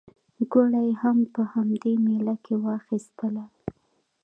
ګوړه یې هم په همدې مېله کې واخیستله.